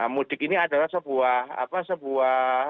mudik ini adalah sebuah